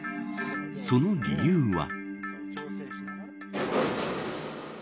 その理由は。